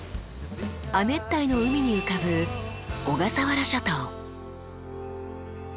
亜熱帯の海に浮かぶ小笠原諸島。